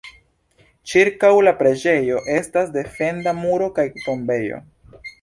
Ĉirkaŭ la preĝejo estas defenda muro kaj tombejo.